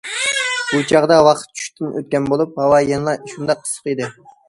بۇ چاغدا ۋاقىت چۈشتىن ئۆتكەن بولۇپ، ھاۋا يەنىلا شۇنداق ئىسسىق ئىدى.